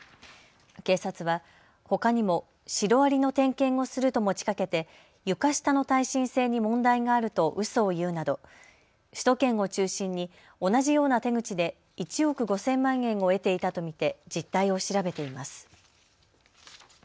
警察はほかにもシロアリの点検をすると持ちかけて床下の耐震性に問題があるとうそを言うなど首都圏を中心に同じような手口で１億５０００万円を得ていたと見て実態を調べています。